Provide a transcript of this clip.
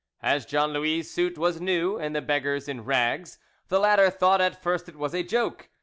As Jean Louis' suit was new and the beggar's in rags, the latter thought at first it was a joke.